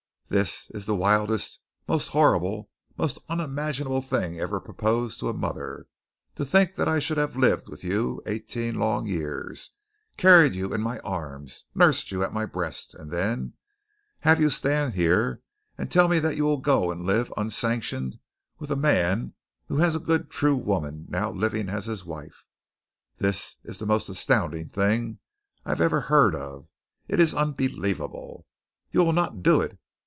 This is the wildest, most horrible, most unimaginable thing ever proposed to a mother. To think that I should have lived with you eighteen long years, carried you in my arms, nursed you at my breast and then have you stand here and tell me that you will go and live unsanctioned with a man who has a good true woman now living as his wife. This is the most astounding thing I have ever heard of. It is unbelievable. You will not do it.